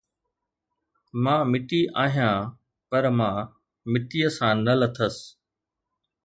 مان مٽي آهيان، پر مان مٽيءَ سان نه لٿس